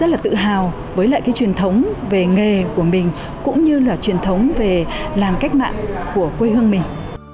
rất là tự hào với lại cái truyền thống về nghề của mình cũng như là truyền thống về làng cách mạng của quê hương mình